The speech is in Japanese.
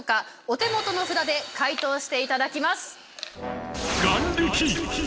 お手元の札で解答していただきます。